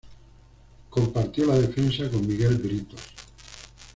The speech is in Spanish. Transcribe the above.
Compartió la defensa con Miguel Britos.